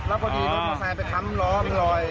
แล้วพอดีรถมอเตอร์ไซค์ไปทำล้อเป็นรอย